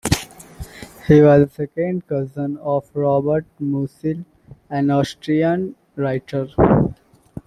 He was a second cousin of Robert Musil, an Austrian writer.